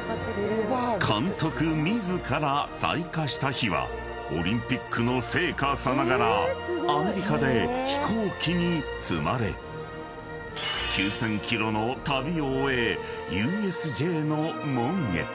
［監督自ら採火した火はオリンピックの聖火さながらアメリカで飛行機に積まれ９，０００ｋｍの旅を終えＵＳＪの門へ］